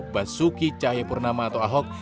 basuki cahayapurnama atau ahok